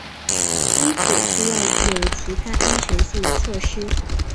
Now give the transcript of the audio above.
因此需要有其他安全性的措施。